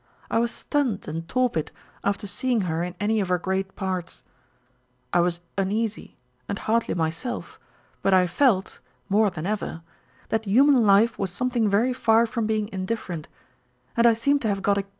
I was stunned and torpid after seeing her in any of her great parts. I was uneasy, and hardly myself, but I felt (more than ever) that human life was something very far from being indifferent, and I seemed to have got a key to 1 An Essay on Macbeth and Eichard III.